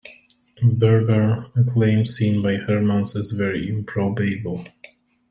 Berber, a claim seen by Hermans as "very improbable".